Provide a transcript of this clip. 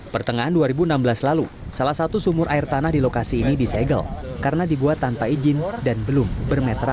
pertengahan dua ribu enam belas lalu salah satu sumur air tanah di lokasi ini disegel karena dibuat tanpa izin dan belum bermetra